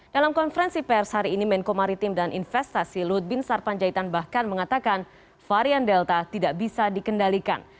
dalam konferensi pers hari ini menko maritim dan investasi luhut bin sarpanjaitan bahkan mengatakan varian delta tidak bisa dikendalikan